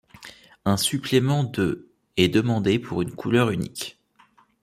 Un supplément de est demandé pour une couleur unique.